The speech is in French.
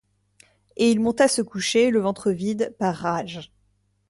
Et il monta se coucher, le ventre vide, par rage.